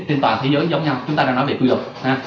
trên toàn thế giới giống nhau chúng ta đang nói về quy luật